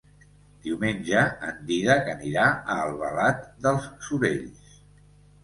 Diumenge en Dídac anirà a Albalat dels Sorells.